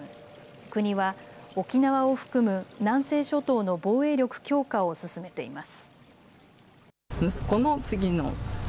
国は沖縄を含む南西諸島の防衛力強化を進めています。